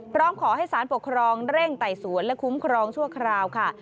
พร้อมขอให้สารปกครองเร่งไต่สวนและคุ้มครองชั่วคราวค่ะ